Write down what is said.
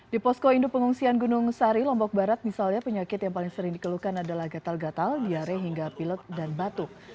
di posko induk pengungsian gunung sari lombok barat misalnya penyakit yang paling sering dikeluhkan adalah gatal gatal diare hingga pilek dan batuk